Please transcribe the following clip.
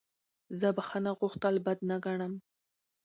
زه بخښنه غوښتل بد نه ګڼم.